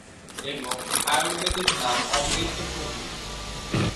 এবং আয়ুর্বেদিক নাম অমৃততুম্বী।